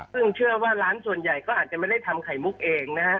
ซึ่งเชื่อว่าร้านส่วนใหญ่ก็อาจจะไม่ได้ทำไข่มุกเองนะฮะ